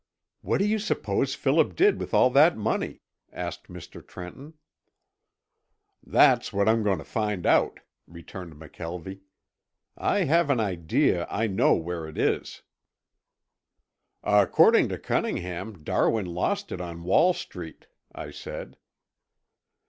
"What do you suppose Philip did with all that money?" asked Mr. Trenton. "That's what I'm going to find out," returned McKelvie. "I have an idea I know where it is." "According to Cunningham, Darwin lost it on Wall Street," I said.